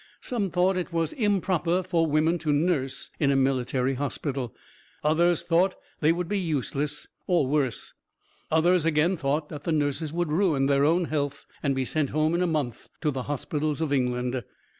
Some thought it was improper for women to nurse in a military hospital; others thought they would be useless, or worse; others again thought that the nurses would ruin their own health and be sent home in a month to the hospitals of England.